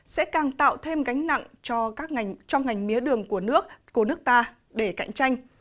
sẽ càng tạo thêm gánh nặng cho ngành mía đường của nước ta để cạnh tranh